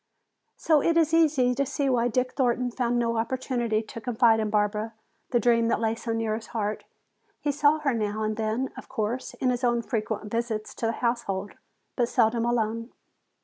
So it is easy to see why Dick Thornton found no opportunity to confide to Barbara the dream that lay so near his heart. He saw her now and then, of course, in his own frequent visits to the household, but seldom alone.